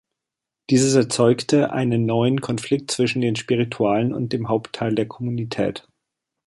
Dieses erzeugte einen neuen Konflikt zwischen den Spiritualen und dem Hauptteil der Kommunität.